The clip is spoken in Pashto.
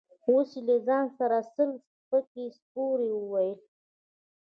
اوس يې له ځان سره سل سپکې سپورې وويلې.